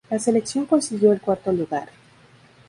La selección consiguió el cuarto lugar.